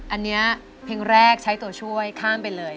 อันนี้เพลงแรกใช้ตัวช่วยข้ามไปเลย